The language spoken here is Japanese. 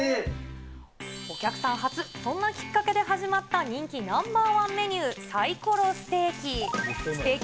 お客さん発、そんなきっかけで始まった人気ナンバー１メニュー、サイコロステーキ。